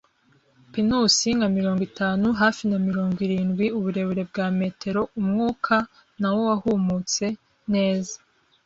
pinusi, nka mirongo itanu, hafi ya mirongo irindwi, uburebure bwa metero. Umwuka nawo wahumutse neza